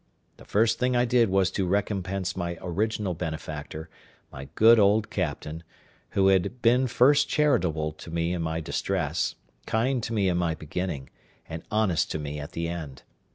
The first thing I did was to recompense my original benefactor, my good old captain, who had been first charitable to me in my distress, kind to me in my beginning, and honest to me at the end.